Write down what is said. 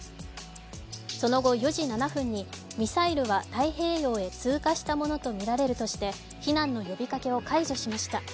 その後、４時７分にミサイルは太平洋へ通過したとみられるとして避難の呼びかけを解除しました。